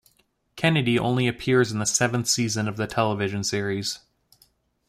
Kennedy only appears in the seventh season of the television series.